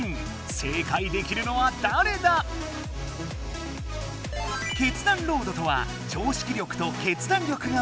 正解できるのはだれだ⁉決断ロードとは常識力と決断力がもとめられるゲーム。